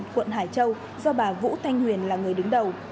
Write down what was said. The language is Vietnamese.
quận hải châu do bà vũ thanh huyền là người đứng đầu